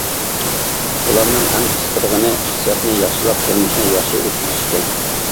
ئۇلارنىڭ ئەڭ قىزىقىدىغىنى ئىقتىسادىنى ياخشىلاپ، تۇرمۇشىنى ياخشى ئۆتكۈزۈش ئىكەن.